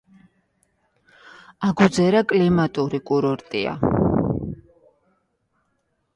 აგუძერა კლიმატური კურორტია.